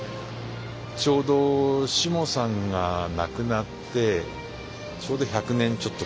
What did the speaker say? ちょうどしもさんが亡くなってちょうど１００年ちょっとたつんですね。